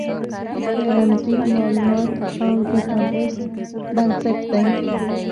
رمزي مالومات د ډیټا بیس بنسټ دی.